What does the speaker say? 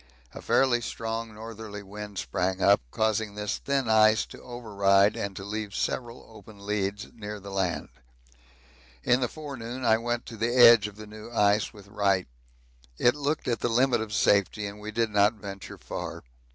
A fairly strong northerly wind sprang up, causing this thin ice to override and to leave several open leads near the land. In the forenoon I went to the edge of the new ice with Wright. It looked at the limit of safety and we did not venture far.